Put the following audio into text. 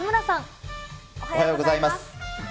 おはようございます。